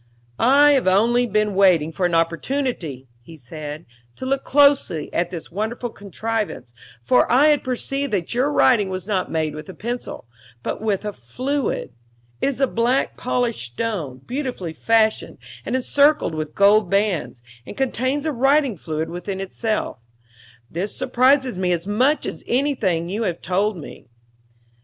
"I have only been waiting for an opportunity," he said, "to look closely at this wonderful contrivance, for I had perceived that your writing was not made with a pencil, but with a fluid. It is black polished stone, beautifully fashioned and encircled with gold bands, and contains the writing fluid within itself. This surprises me as much as anything you have told me."